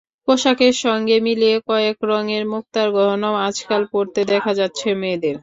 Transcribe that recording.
পোশাকের সঙ্গে মিলিয়ে কয়েক রঙের মুক্তার গয়নাও আজকাল পরতে দেখা যাচ্ছে মেয়েদের।